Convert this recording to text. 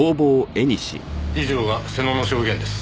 以上が瀬野の証言です。